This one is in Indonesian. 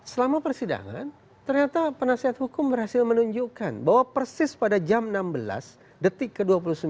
selama persidangan ternyata penasihat hukum berhasil menunjukkan bahwa persis pada jam enam belas detik ke dua puluh sembilan